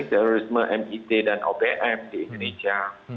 terorisme mit dan obm di indonesia